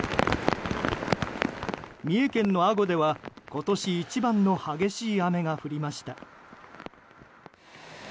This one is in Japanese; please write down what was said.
三重県の阿児では今年一番の激しい雨が降りました。